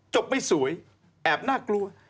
ไม่สวยแอบน่ากลัว